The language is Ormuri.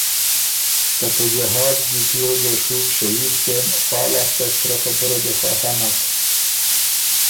که ته جهاد ډیوټي ره دې ڒُوک ݭهید سېم فا لاسته سرۀ خبُره دې خه هَۀ نک،